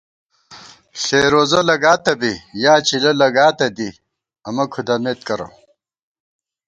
ݪېروزہ لِکاتہ بی یا چِلہ لگاتہ دی امہ کھُدَمېت کرہ